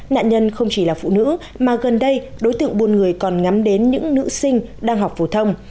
nạn nhân không chỉ là phụ nữ mà gần đây đối tượng buôn người còn ngắm đến những nữ sinh đang học phổ thông